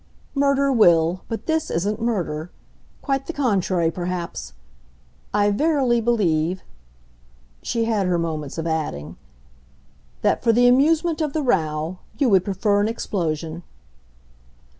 "Murder will but this isn't murder. Quite the contrary perhaps! I verily believe," she had her moments of adding, "that, for the amusement of the row, you would prefer an explosion."